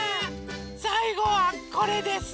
さいごはこれです。